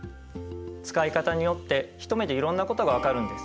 使い方によって一目でいろんなことが分かるんです。